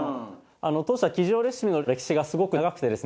当社企業レシピの歴史がすごく長くてですね